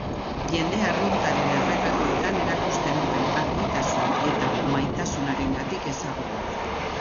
Jende arruntaren erretratuetan erakusten duen argitasun eta maitasunarengatik ezaguna.